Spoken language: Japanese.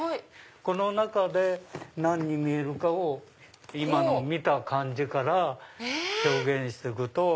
この中で何に見えるかを今の見た感じから表現して行くと。